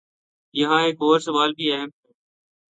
یہاں ایک اور سوال بھی اہم ہے۔